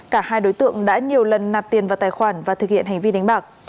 cả hai đối tượng đã nhiều lần nạp tiền vào tài khoản và thực hiện hành vi đánh bạc